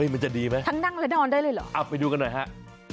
มันจะดีไหมไปดูกันหน่อยฮะทั้งนั่งและนอนได้เลยเหรอ